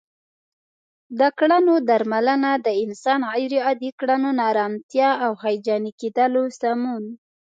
د کړنو درملنه د انسان غیر عادي کړنو، ناآرامتیا او هیجاني کیدلو سمون